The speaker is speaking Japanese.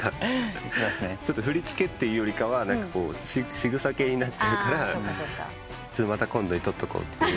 ちょっと振り付けというよりしぐさ系になっちゃうから今度に取っておこうという。